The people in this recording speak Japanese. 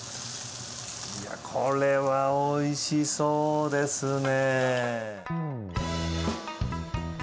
いやこれはおいしそうですね。